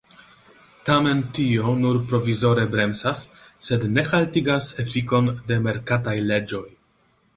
Tamen tio nur provizore bremsas, sed ne haltigas efikon de merkataj leĝoj.